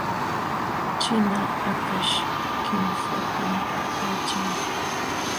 Ćhina hakaśh kimsatam waćhan.